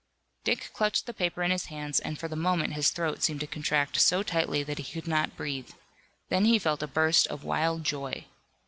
Dick clutched the paper in his hands and for the moment his throat seemed to contract so tightly that he could not breathe. Then he felt a burst of wild joy.